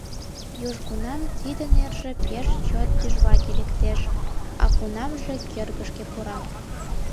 Южгунам тиде нерже пеш чот тӱжваке лектеш, а кунамже кӧргышкӧ пура.